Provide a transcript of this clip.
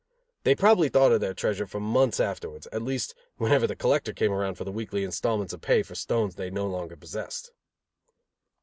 They probably thought of their treasure for months afterwards; at least, whenever the collector came around for the weekly installments of pay for stones they no longer possessed.